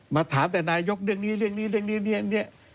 มาถามแต่นายกเรื่องนี้เรื่องนี้เรื่องนี้เนี่ย